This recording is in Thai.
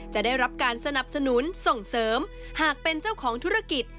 จะได้รับการสนับสนุนส่งเสริมหากเป็นเจ้าของธุรกิจ